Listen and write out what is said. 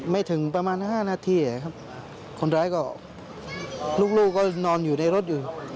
ไม่ถึงประมาณ๕นาทีครับคนร้ายก็ลูกก็นอนอยู่ในรถอยู่